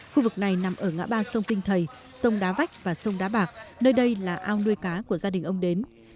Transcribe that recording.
khu vực này nằm ở ngã ba sông kinh thầy sông đá vách và sông đá bạc nơi đây là ao nuôi cá của gia đình ông đến